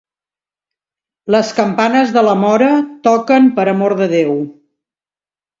Les campanes de la Móra toquen per amor de Déu.